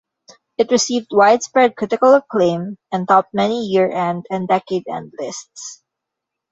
It received widespread critical acclaim and topped many year-end and decade-end lists.